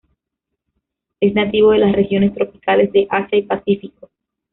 Es nativo de las regiones tropicales de Asia y Pacífico.